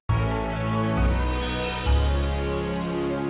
aku mau ke rumah